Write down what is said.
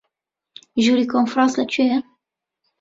ژووری کۆنفرانس لەکوێیە؟